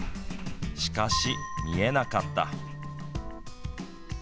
しかし、見えなかった。